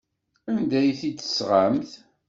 Anda ay t-id-tesɣamt?